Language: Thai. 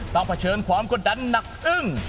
ต้องเผชิญพร้อมกับดันหนักอึ้ง